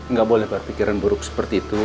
nggak boleh berpikiran buruk seperti itu